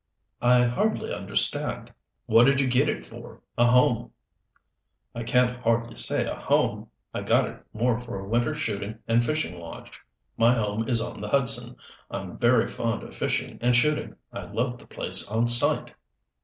"I hardly understand " "What did you get it for, a home?" "I can't hardly say a home. I got it more for a winter shooting and fishing lodge. My home is on the Hudson. I'm very fond of fishing and shooting. I loved the place on sight."